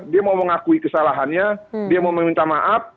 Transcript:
dia mau mengakui kesalahannya dia mau meminta maaf